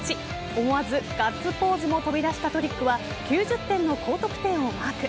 思わずガッツポーズも飛び出したトリックは９０点の高得点をマーク。